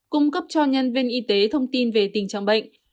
cung cấp cho nhân viên y tế thông tin về tình trạng bệnh